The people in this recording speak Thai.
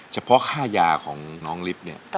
เฉพาะค่ายาของน้องลิฟต์เนี่ย